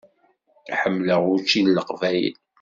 Ḥemmleɣ učči n Leqbayel.